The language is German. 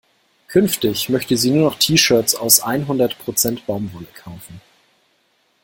Künftig möchte sie nur noch T-Shirts aus einhundert Prozent Baumwolle kaufen.